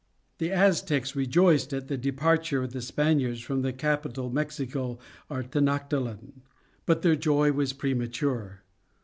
The Aztecs rejoiced at the departure of the Spaniards from their capital Mexico or Tenoctitlan, but their joy was premature.